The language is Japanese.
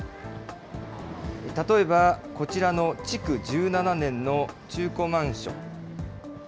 例えば、こちらの築１７年の中古マンション。